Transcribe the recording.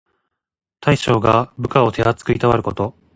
大将が部下を手あつくいたわること。